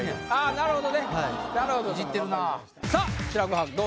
なるほど。